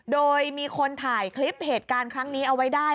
โดยมีคนถ่ายคลิปเหตุการณ์ครั้งนี้เอาไว้ได้